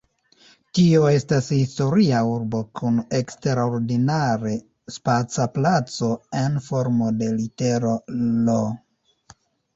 Tio estas historia urbo kun eksterordinare spaca placo en formo de litero "L".